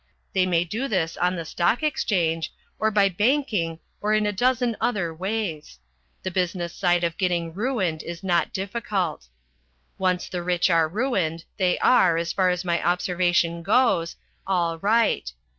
They may do this on the Stock Exchange or by banking or in a dozen other ways. The business side of getting ruined is not difficult. Once the rich are ruined, they are, as far as my observation goes, all right.